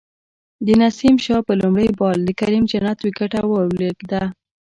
د نسیم شاه په لومړی بال د کریم جنت وکټه ولویده